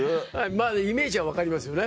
まぁイメージは分かりますよね。